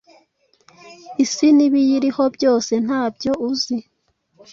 Isi n’ibiyiriho byose ntabyo uzi